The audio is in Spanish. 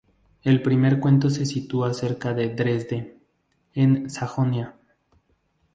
El primer cuento se sitúa cerca de Dresde, en Sajonia.